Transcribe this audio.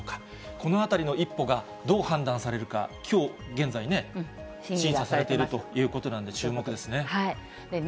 このあたりの一歩がどう判断されるか、きょう現在ね、審査されているということなんで、注目ですね。